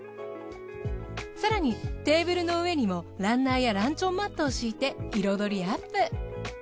更にテーブルの上にもランナーやランチョンマットを敷いて彩りアップ。